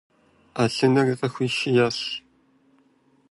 Ӏэлъыныр къыхуишиящ.